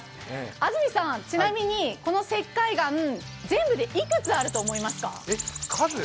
安住さん、ちなみにこの石灰岩、全部でいくつあると思いますか？